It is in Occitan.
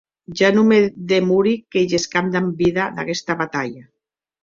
Ja non demori que gescam damb vida d’aguesta batalha.